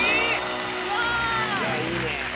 いやいいね。